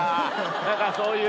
何かそういう。